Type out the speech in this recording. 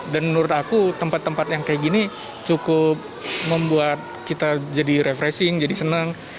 dan menurut aku tempat tempat yang kayak gini cukup membuat kita jadi refreshing jadi senang